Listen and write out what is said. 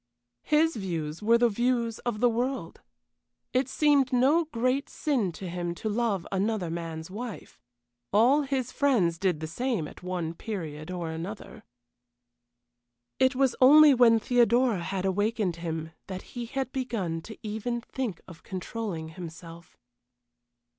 His views were the views of the world. It seemed no great sin to him to love another man's wife. All his friends did the same at one period or another. It was only when Theodora had awakened him that he had begun even to think of controlling himself.